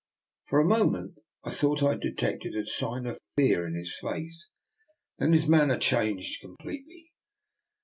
For a moment I thought I had detected a sign of fear in his face. Then his manner changed completely.